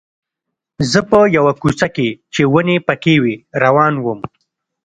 زه په یوه کوڅه کې چې ونې پکې وې روان وم.